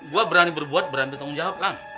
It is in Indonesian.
kalau lo berani berbuat berani bertanggung jawab lam